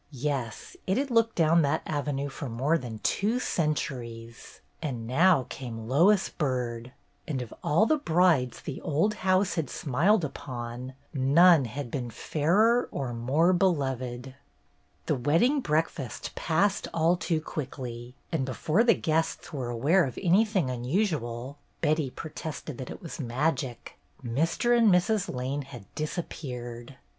Yes, it had looked down that avenue for more than two centuries; and now came Lois Byrd ; and of all the brides the old house had smiled upon, none had been fairer or more beloved. The wedding breakfast passed all too quickly, and before the guests were aware of anything unusual — Betty protested that it was magic — Mr. and Mrs. Lane had dis appeared.